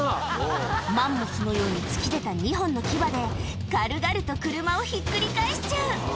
マンモスのように突き出た２本の牙で、軽々と車をひっくり返しちゃう。